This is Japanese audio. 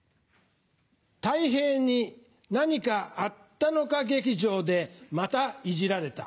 「たい平に何かあったのか劇場でまたいじられた」。